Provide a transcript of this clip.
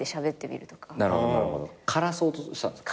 枯らそうとしたんですか？